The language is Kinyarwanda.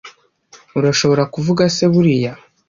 urashobora kuvuga se buriya